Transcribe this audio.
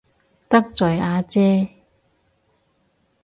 得罪阿姐